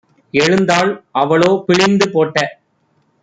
எழுந்தாள். அவளோ, பிழிந்து போட்ட